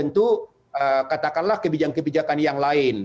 tentu katakanlah kebijakan kebijakan yang lain